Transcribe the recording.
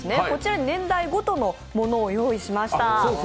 年代ごとのものを用意しました。